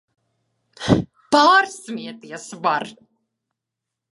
Pārsmieties var!